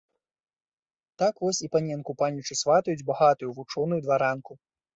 Так, вось і паненку панічу сватаюць багатую, вучоную дваранку.